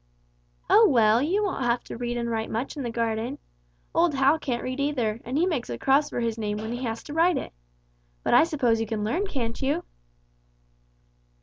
"Oh, well, you won't have to read and write much in the garden. Old Hal can't read either, and he makes a cross for his name when he has to write it. But I suppose you can learn, can't you?"